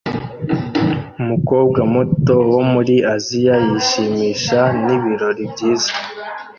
Umukobwa muto wo muri Aziya yishimisha nibirori byiza